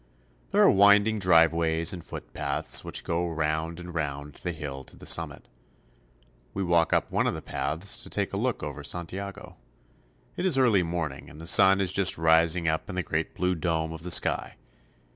There are winding driveways and footpaths which go round and round the hill to the summit. We walk up one Santa Lucia. of the paths to take a look over Santiago. It is early morning, and the sun is just rising up in the great blue dome of the sky.